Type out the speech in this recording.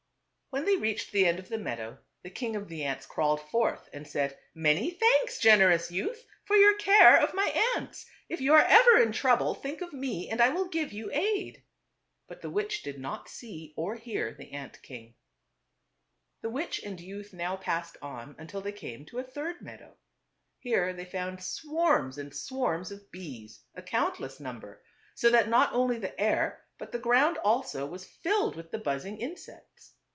When they reached the end of the meadow, the king of the ants crawled forth and said, " Many thanks, generous youth, for your care of my ants. If you are ever in trouble, think of me and I will give you aid." But the witch did not see or hear the ant king. The witch and youth now passed on until they came to a third meadow. Here they found swarms and swarms of bees ; a countless number, 292 TWO BROTHERS. so that not only the air, but the ground also was filled with the buzzing insects.